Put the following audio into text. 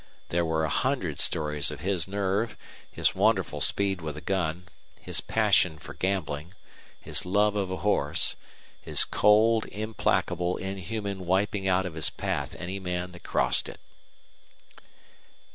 There were a hundred stories of his nerve, his wonderful speed with a gun, his passion for gambling, his love of a horse his cold, implacable, inhuman wiping out of his path any man that crossed it.